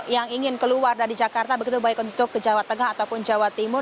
yang ingin keluar dari jakarta begitu baik untuk ke jawa tengah ataupun jawa timur